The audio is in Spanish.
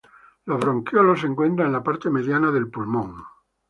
Los bronquiolos se encuentran en la parte mediana del pulmón.